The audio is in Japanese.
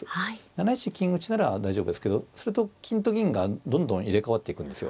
７一金打なら大丈夫ですけどすると金と銀がどんどん入れ代わっていくんですよ。